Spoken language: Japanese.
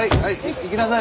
行きなさい。